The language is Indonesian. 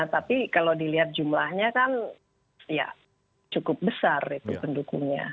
tapi kalau dilihat jumlahnya kan ya cukup besar itu pendukungnya